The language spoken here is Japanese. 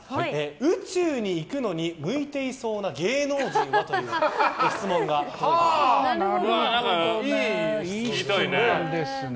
宇宙に行くのに向いていそうな芸能人はといういい質問ですね。